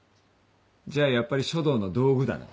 じゃあやっぱり書道の道具だな。